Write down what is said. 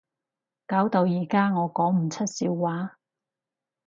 搞到而家我講唔出笑話